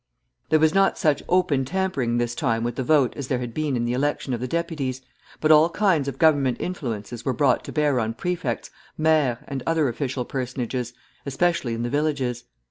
There was not such open tampering this time with the vote as there had been in the election of the deputies, but all kinds of Government influences were brought to bear on prefects, maires, and other official personages, especially in the villages.